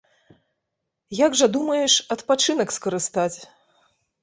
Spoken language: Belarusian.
Як жа думаеш адпачынак скарыстаць?